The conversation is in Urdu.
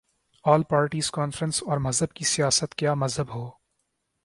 آل پارٹیز کانفرنس اور مذہب کی سیاست کیا مذہب کو